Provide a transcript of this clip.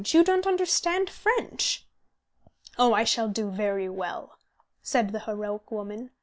You don't understand French." "Oh, I shall do very well," said the heroic woman.